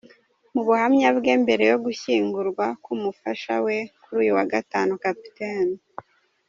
Mu buhamya bwe mbere yo gushyingurwa k’umufasha we kuri uyu wa Gatanu, Capt.